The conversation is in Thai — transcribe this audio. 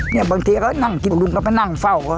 บางทีก็นั่งกินลุงก็มานั่งเฝ้า